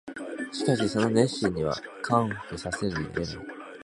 しかしその熱心には感服せざるを得ない